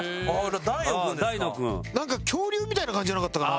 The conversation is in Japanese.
なんか恐竜みたいな感じじゃなかったかな？